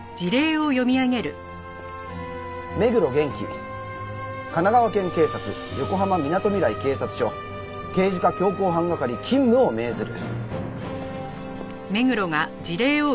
「目黒元気」「神奈川県警察横浜みなとみらい警察署刑事課強行犯係勤務を命ずる」